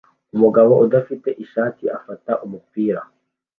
Umugabo udafite ishati afata umupira